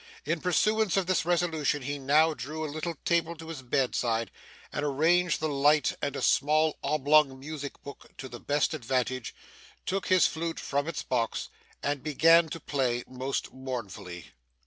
In pursuance of this resolution, he now drew a little table to his bedside, and arranging the light and a small oblong music book to the best advantage, took his flute from its box, and began to play most mournfully.